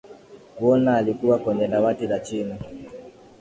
woolner alikuwa kwenye dawati la chini